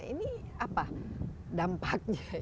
ini apa dampaknya